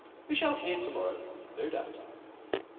We shall hear to morrow, no doubt."